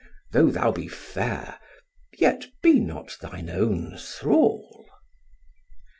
Though thou be fair, yet be not thine own thrall."